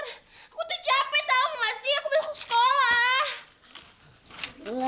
aku tuh capek tau gak sih aku belum sekolah